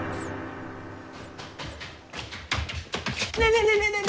ねえねえねえねえ！